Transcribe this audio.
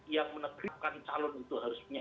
yang menegrikan calon itu harus punya